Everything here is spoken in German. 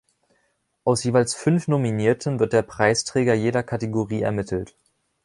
Aus jeweils fünf Nominierten wird der Preisträger jeder Kategorie ermittelt.